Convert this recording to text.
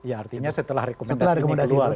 artinya setelah rekomendasi ini keluar ya